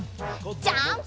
ジャンプ！